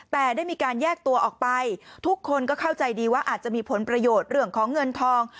แต่ได้มีการแยกตัวออกไปทุกคนก็เข้าใจดีว่าอาจจะมีผลประโยชน์เรื่องของเงินทอง